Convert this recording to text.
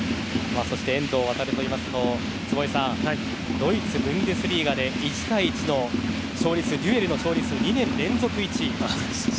遠藤航というと坪井さんドイツのブンデスリーガで１対１のデュエルの勝利数２年連続１位。